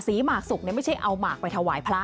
หมากสุกไม่ใช่เอาหมากไปถวายพระ